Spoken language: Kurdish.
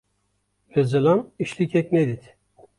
Li zilam îşlikek nedît.